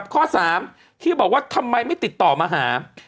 ข้อ๓ที่บอกว่าทำไมไม่ติดต่อมาหา